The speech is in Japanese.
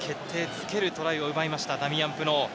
づけるトライを奪いましたダミアン・プノー。